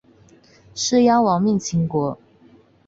士鞅亡命秦国。